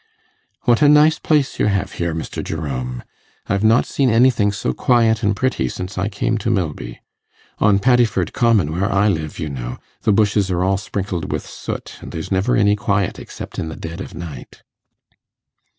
'What a nice place you have here, Mr. Jerome! I've not seen anything so quiet and pretty since I came to Milby. On Paddiford Common, where I live, you know, the bushes are all sprinkled with soot, and there's never any quiet except in the dead of night.